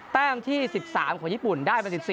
แต้มที่๑๓ของญี่ปุ่นได้ไป๑๔